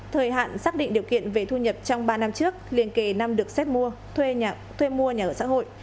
thời hạn xác định điều kiện về thu nhập trong ba năm trước liên kề năm được xét mua thuê mua nhà ở xã hội